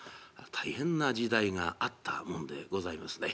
大変な時代があったもんでございますね。